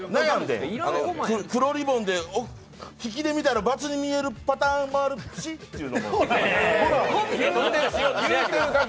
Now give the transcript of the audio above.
黒リボンで引きで見たら×に見えるパターンもあるしっていう。